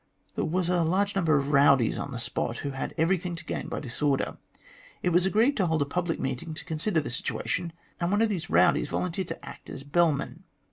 There was a large number of " rowdies " on the spot, who had everything to gain by disorder. It was agreed to hold a public meeting to consider the situation, and one of these " rowdies " volun teered to act as bellman.